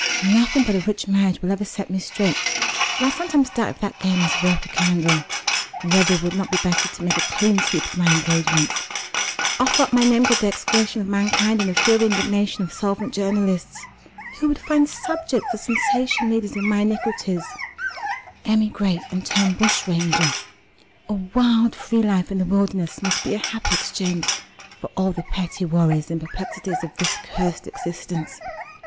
Nothing but a rich marriage will ever set me straight; and I sometimes doubt if that game is worth the candle, and whether it would not be better to make a clean sweep of my engagements, offer up my name to the execration of mankind and the fiery indignation of solvent journalists, who would find subject for sensation leaders in my iniquities, emigrate, and turn bushranger. A wild free life in the wilderness must be a happy exchange for all the petty worries and perplexities of this cursed existence."